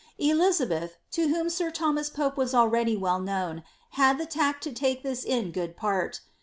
Elizabeth, to whom sir hnmas Pope was already well known, had the tact to take this In >od part.